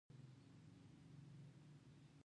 د اروپايي ډوډیو او هګیو ترڅنګ.